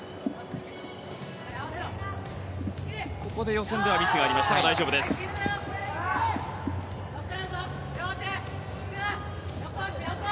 予選ではここでミスがありましたが大丈夫でした。